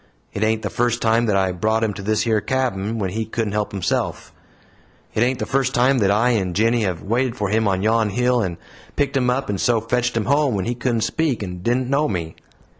It ain't the first time that I brought him to this yer cabin when he couldn't help himself; it ain't the first time that I and 'Jinny' have waited for him on yon hill, and picked him up and so fetched him home, when he couldn't speak, and didn't know me.